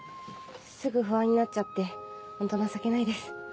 すぐ不安になっちゃってホント情けないです。